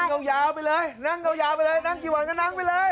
นั่งเก่ายาวไปเลยนั่งเก่ายาวไปเลยนั่งกี่วันก็นั่งไปเลย